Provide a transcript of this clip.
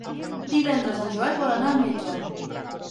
Divendres en Joel vol anar al metge.